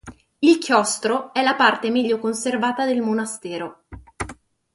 Il chiostro è la parte meglio conservata del monastero.